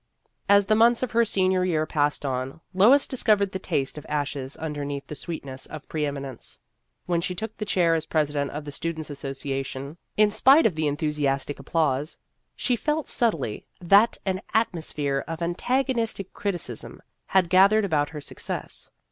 As the months of her senior year passed on, Lois discovered the taste of ashes underneath the sweetness of pre eminence. When she took the chair as president of the Students' Association, in spite of the enthusiastic applause, she felt subtly that an atmosphere of antagonistic criticism had gathered about her success.